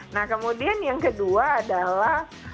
nah kemudian yang kedua adalah